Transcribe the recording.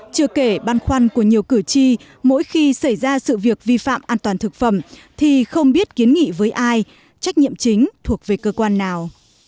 chưa kể băn khoăn của nhiều cử tri mỗi khi xảy ra sự việc vi phạm an toàn thực phẩm thì không biết kiến nghị với ai trách nhiệm chính thuộc về cơ quan nào